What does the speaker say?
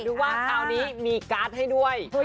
ดูว่าคราวนี้มีการ์ดให้ด้วย